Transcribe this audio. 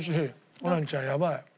ホランちゃんやばい。